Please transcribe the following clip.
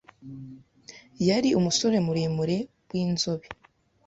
Yari umusore muremure w’inzobe,